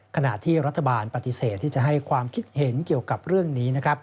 ขณะที่รัฐบาลปฏิเสธที่จะให้ความคิดเห็นเกี่ยวกับเรื่องนี้